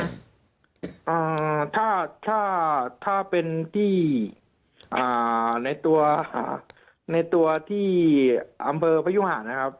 อ่าถ้าถ้าถ้าเป็นที่อ่าในตัวอ่าในตัวที่อำเภอพยุหานะครับ